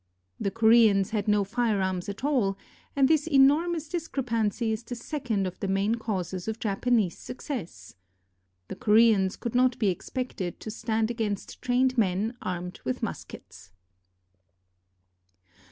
The Koreans had no firearms at all, and this enormous discrepancy is the second of the main causes of Japanese success. The Koreans could not be expected to stand against trained men armed with muskets.